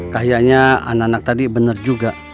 kayaknya anak anak tadi benar juga